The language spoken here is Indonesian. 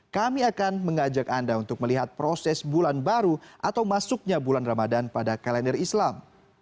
kami akan mengajak anda untuk melihat proses bulan baru atau masuknya bulan ramadan pada kalender islam